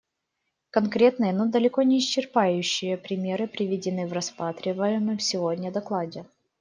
Конкретные, но далеко не исчерпывающие примеры приведены в рассматриваемом сегодня докладе.